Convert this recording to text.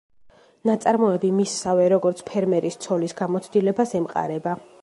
ნაწარმოები მისსავე, როგორც ფერმერის ცოლის, გამოცდილებას ემყარება.